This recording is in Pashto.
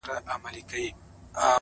• هره مياشت به دوې هفتې پاچا په ښكار وو,